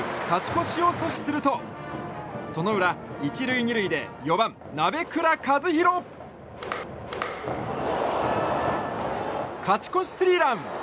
勝ち越しを阻止するとその裏、１塁２塁で４番、鍋倉和弘。勝ち越しスリーラン！